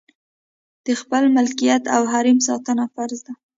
د خپل ملکیت او حریم ساتنه فرض ده.